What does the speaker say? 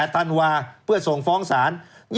ธันวาเพื่อส่งฟ้องศาล